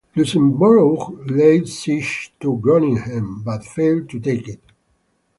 Luxembourg laid siege to Groningen but failed to take it.